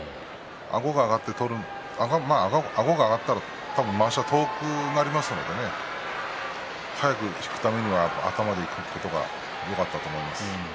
あごが上がってあごが上がったらまわしは遠くなりますから速く引くためには頭でいくことがよかったと思います。